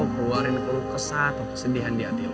keluarin kesat atau kesedihan di hati lu